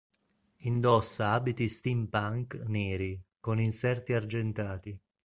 Indossa abiti steampunk neri con inserti argentati.